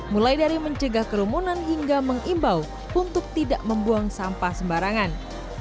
mulai dari mencegah kerumunan hingga mengimbau untuk tidak membuang sampah sembarangan